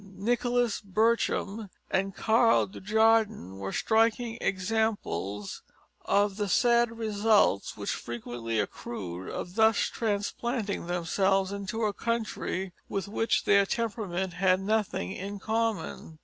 Nicholas Berchem and Karl Dujardin were striking examples of the sad results which frequently accrued from thus transplanting themselves into a country with which their temperament had nothing in common.